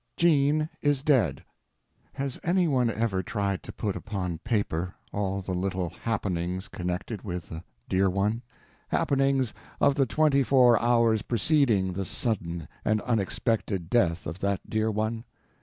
JEAN IS DEAD! Has any one ever tried to put upon paper all the little happenings connected with a dear one—happenings of the twenty four hours preceding the sudden and unexpected death of that dear one?